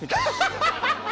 ハハハハハ。